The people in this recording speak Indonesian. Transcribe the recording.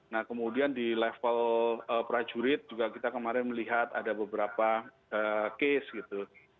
nah kemudian di level prajurit juga kita kemarin melihat ada beberapa case gitu